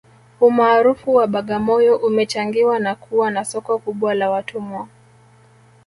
umaarufu wa bagamoyo umechangiwa na kuwa na soko kubwa la watumwa